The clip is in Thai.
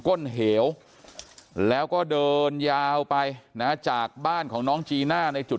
ก้นเหวแล้วก็เดินยาวไปนะจากบ้านของน้องจีน่าในจุด